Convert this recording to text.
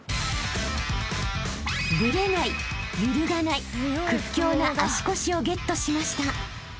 ［ブレない揺るがない屈強な足腰をゲットしました］